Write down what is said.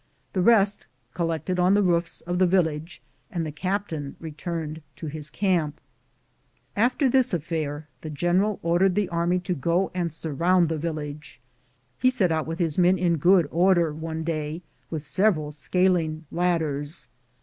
The rest collected on the roofs of the village and the captain returned to his camp. After this affair the general ordered the army to go and surround the village. He set out with his men in good order, one day, with several scaling ladders.